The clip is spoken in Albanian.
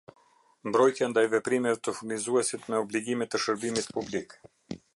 Mbrojtja ndaj veprimeve të furnizuesit me obligime të shërbimit publik.